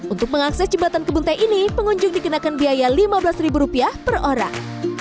untuk mengakses jembatan kebun teh ini pengunjung dikenakan biaya lima belas rupiah per orang